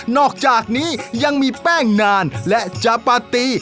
อกจากนี้ยังมีแป้งนานและจาปาตี